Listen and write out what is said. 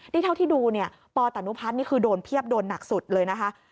นี่เท่าที่ดูปตนุพัทธิ์คือโดนเพียบโดนหนักสุดเลยนะคะ